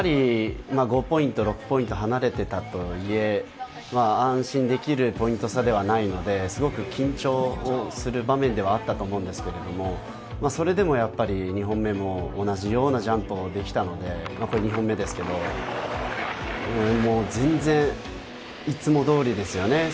５ポイント、６ポイント離れていたとはいえ、安心できるポイント差ではないのですごく緊張する場面ではあったと思うんですけれども、それでも２本目も同じようなジャンプができたので、全然いつもどおりですよね。